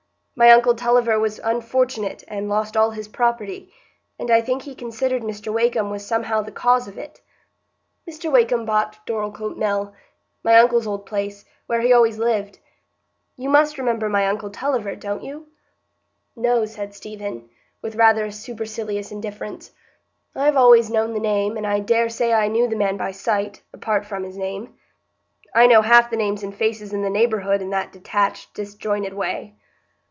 My uncle Tulliver was unfortunate and lost all his property, and I think he considered Mr Wakem was somehow the cause of it. Mr Wakem bought Dorlcote Mill, my uncle's old place, where he always lived. You must remember my uncle Tulliver, don't you?" "No," said Stephen, with rather supercilious indifference. "I've always known the name, and I dare say I knew the man by sight, apart from his name. I know half the names and faces in the neighbourhood in that detached, disjointed way."